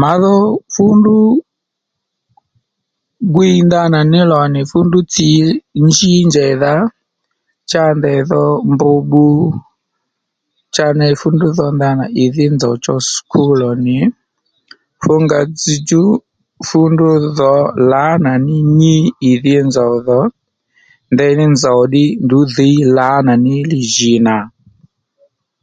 Ma dho fú ndrú gwiy ndana ní lò nì fú ndrú tsǐ njí njèydha cha ndèydho mbr bbu cha ney fú ndru dho ndanà ì dhí nzòw cho skul ò nì fú nga dzzdjú fú ndrú dho lǎnà ní nyi ì dhí nzòw dho ndèyní nzòw ddí dhǐy lǎnà ní li jì nà